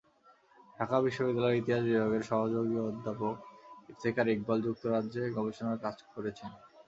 ঢাকা বিশ্ববিদ্যালয়ের ইতিহাস বিভাগের সহযোগী অধ্যাপক ইফতেখার ইকবাল যুক্তরাজ্যে গবেষণার কাজ করেছেন।